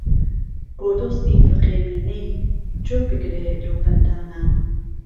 بۆ دۆستی فەقێ مینەی گوێ بگرێ لەو بەندانە